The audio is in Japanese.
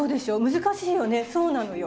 難しいよねそうなのよ。